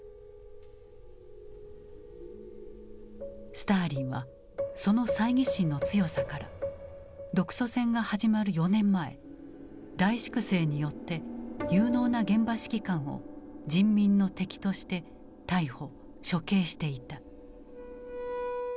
スターリンはその猜疑心の強さから独ソ戦が始まる４年前大粛清によって有能な現場指揮官を「人民の敵」として逮捕処刑していた。